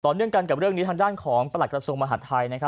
ต่อเนื่องกันกับเรื่องทางด้านของประหลาดกระทรวงมหาดไทย